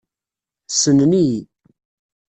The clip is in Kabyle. Ssnen-iyi.